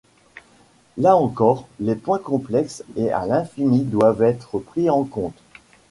Là encore, les points complexes et à l'infini doivent être pris en compte.